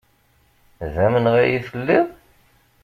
D amenɣay i telliḍ?